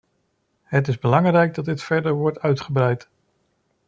Het is belangrijk dat dit verder wordt uitgebreid.